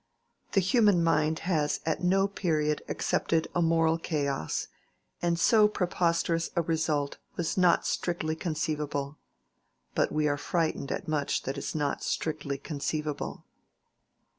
The human mind has at no period accepted a moral chaos; and so preposterous a result was not strictly conceivable. But we are frightened at much that is not strictly conceivable.